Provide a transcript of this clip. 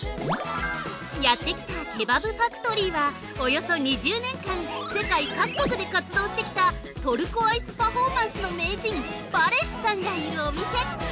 ◆やってきたケバブファクトリーはおよそ２０年間世界各国で活動してきたトルコアイスパフォーマンスの名人、バレシさんがいるお店。